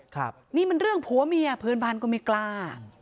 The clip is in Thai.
ครับนี่มันเรื่องผัวเมียเพื่อนบ้านก็ไม่กล้า